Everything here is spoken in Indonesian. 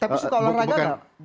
tapi suka olahraga gak